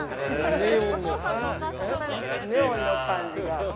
◆ネオンの感じが。